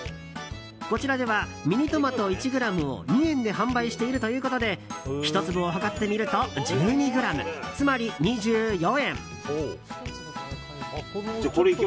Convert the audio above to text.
こちらでは、ミニトマト１ｇを２円で販売しているということで１粒を量ってみると１２ｇ、つまり２４円。